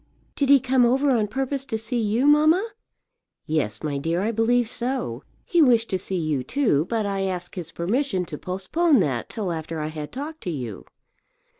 "Did he come over on purpose to see you, mamma?" "Yes, my dear, I believe so. He wished to see you, too; but I asked his permission to postpone that till after I had talked to you."